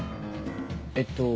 えっと。